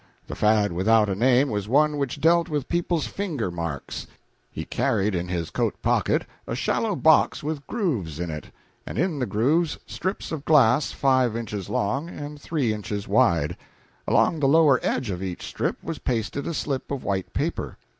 The fad without a name was one which dealt with people's finger marks. He carried in his coat pocket a shallow box with grooves in it, and in the grooves strips of glass five inches long and three inches wide. Along the lower edge of each strip was pasted a slip of white paper.